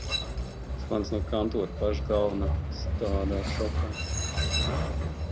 Zvans no kantora paša galvenā. Es tādā šokā.